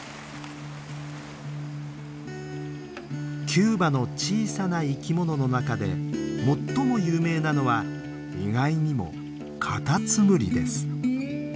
キューバの小さな生き物の中で最も有名なのは意外にもカタツムリです。